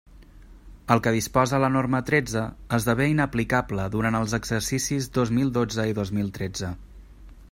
El que disposa la norma tretze esdevé inaplicable durant els exercicis dos mil dotze i dos mil tretze.